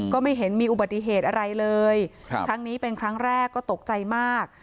ก็ไม่เห็นมีอุบัติเหตุอะไรเลยครับครั้งนี้เป็นครั้งแรกก็ตกใจมาก